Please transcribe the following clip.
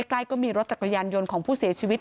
ใกล้ก็มีรถจักรยานยนต์ของผู้เสียชีวิต